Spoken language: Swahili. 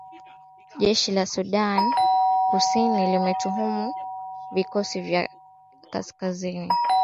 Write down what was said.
jeshi la sudan kusini limetuhumu vikosi vya kaskazini